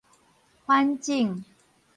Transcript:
反種